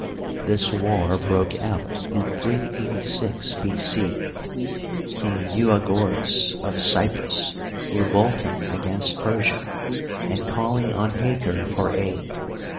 This war brbke out in 386 B. c. King Euagoras of Cyprus revolting against Persia, and calling on Haker for aid.